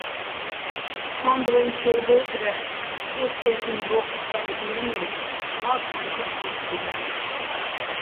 ქო́ნდრეჼ ჩაჲ დე́წრეხ კურტკეხიჼ ბო́ჴჩ თაგბიენე́ს, ოჰა́ ქო́ნდრეხ ბუწბინა́ს.